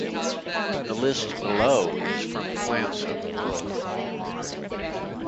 The list below is from "Plants of the World Online".